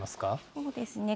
そうですね。